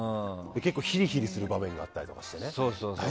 結構、ヒリヒリする場面があったりして。